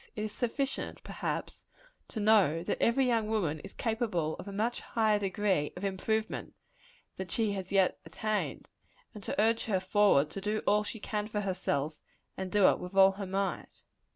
It is sufficient, perhaps, to know, that every young woman is capable of a much higher degree of improvement than she has yet attained, and to urge her forward to do all she can for herself, and to do it with all her might.